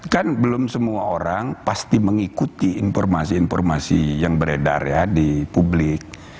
karena semua orang pasti mengikuti informasi informasi yang beredar ya di publik